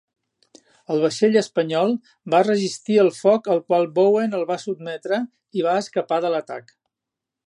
El vaixell espanyol va resistir el foc al qual Bowen el va sotmetre i va escapar de l'atac.